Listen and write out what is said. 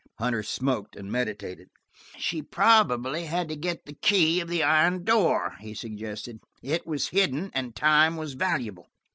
Hunter smoked and meditated. "She probably had to get the key of the iron door," he suggested. "It was hidden, and time was valuable.